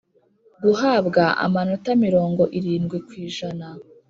Guhabwa amanota mirongo irindwi ku ijana